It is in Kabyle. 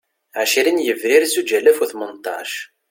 Ɛecrin Yebrir Zuǧ alas u Tmenṭac